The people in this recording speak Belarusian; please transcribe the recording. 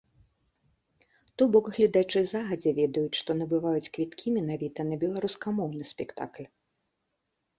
То бок гледачы загадзя ведаюць, што набываюць квіткі менавіта на беларускамоўны спектакль.